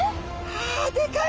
あでかい。